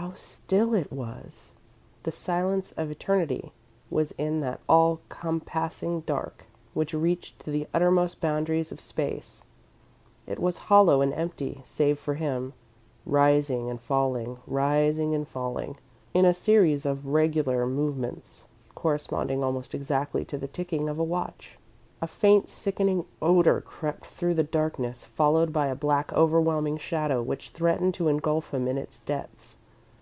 How still it was! The silence of eternity was in that all compassing dark, which reached to the uttermost boundaries of space. It was hollow and empty, save for him, rising and falling, rising and falling, in a series of regular movements corresponding almost exactly to the ticking of a watch. A faint, sickening odour crept through the darkness, followed by a black overwhelming shadow which threatened to engulf him in its depths.